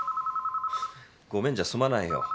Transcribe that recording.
ごめんじゃ済まないよ。